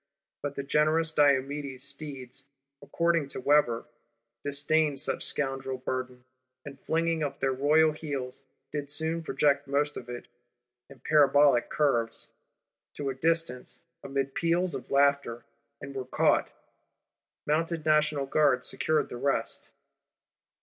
But the generous Diomedes' steeds, according to Weber, disdained such scoundrel burden; and, flinging up their royal heels, did soon project most of it, in parabolic curves, to a distance, amid peals of laughter: and were caught. Mounted National Guards secured the rest.